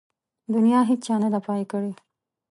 د نيا هيچا نده پاى کړې.